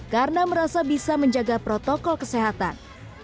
karena merasa bisa menjaga protokol kesehatan